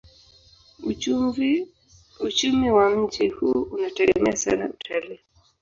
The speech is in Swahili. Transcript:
Uchumi wa mji huu unategemea sana utalii.